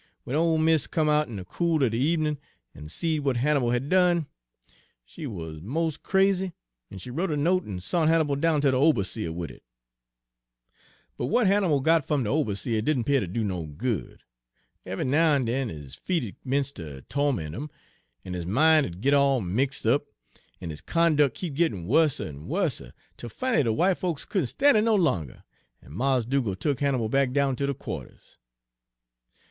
W'en ole mis' come out in de cool er de ebenin', en seed w'at Hannibal had done, she wuz mos' crazy, en she wrote a note en sont Hannibal down ter de oberseah wid it. Page 211 "But w'at Hannibal got fum de oberseah didn' 'pear ter do no good. Eve'y now en den 'is feet 'd 'mence ter torment 'im, en 'is min' 'u'd git all mix' up, en his conduc' kep' gittin' wusser en wusser, 'tel fin'lly de w'ite folks couldn' stan' it no longer, en Mars' Dugal' tuk Hannibal back down ter de qua'ters.